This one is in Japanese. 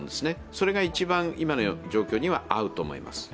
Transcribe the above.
それが一番、今の状況には合うと思います。